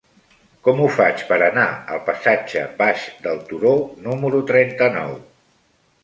Com ho faig per anar al passatge Baix del Turó número trenta-nou?